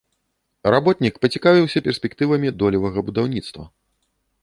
Работнік пацікавіўся перспектывамі долевага будаўніцтва.